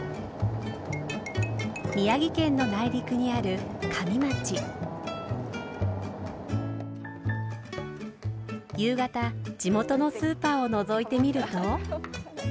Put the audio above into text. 宮城県の内陸にある夕方地元のスーパーをのぞいてみると。